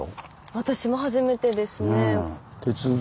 私も初めてですね。